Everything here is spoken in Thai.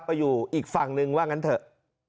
ไปอยู่อีกฝั่งนึงว่างั้นเถอะ